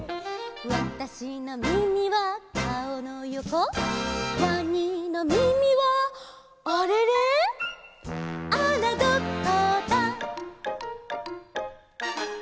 「わたしのみみは顔のよこ」「わにのみみはあれれ」「あらどこだ」